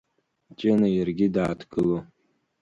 Ҷына иаргьы дааҭгыло.